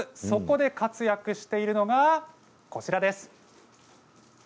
そこで活躍しているのがこちらです。